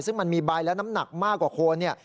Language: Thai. ซึ่งมันมีใบและน้ำหนักมากกว่าโคนเนี่ย